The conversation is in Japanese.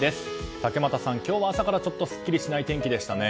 竹俣さん、今日は朝からちょっとすっきりしない天気でしたね。